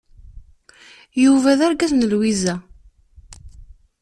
Yuba d argaz n Lwiza.